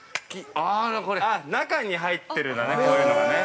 ◆中に入ってるんだね、こういうのがね。